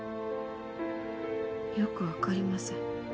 よくわかりません。